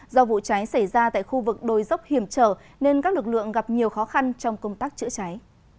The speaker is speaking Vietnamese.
do vụ cháy xảy ra tại khu vực đồi dốc hiểm trở nên các lực lượng gặp nhiều khó khăn trong công tác chữa cháy